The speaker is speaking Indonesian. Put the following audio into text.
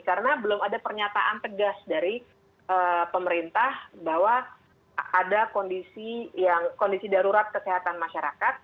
karena belum ada pernyataan tegas dari pemerintah bahwa ada kondisi darurat kesehatan masyarakat